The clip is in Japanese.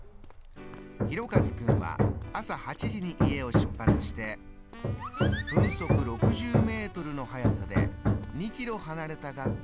「ひろかず君は朝８時に家を出発して分速６０ｍの速さで２ｋｍ離れた学校に向かいました。